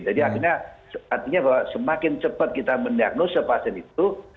jadi akhirnya artinya bahwa semakin cepat kita mendiagnosa pasien itu